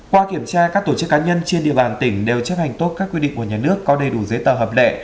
qua kiểm tra các tổ chức cá nhân trên địa bàn tỉnh đều chấp hành tốt các quy định của nhà nước có đầy đủ giấy tờ hợp lệ